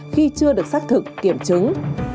khi chưa được xác thực kiểm chứng